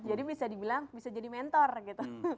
jadi bisa dibilang bisa jadi mentor gitu